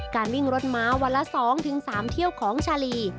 การวิ่งรถม้าวันละ๒๓เที่ยวของชาลี